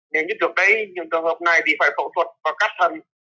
nếu như trước những trường hợp này thì phải phẫu thuật và cắt thần